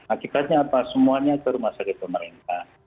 akibatnya apa semuanya ke rumah sakit pemerintah